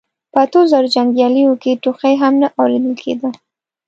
په اتو زرو جنګياليو کې ټوخی هم نه اورېدل کېده.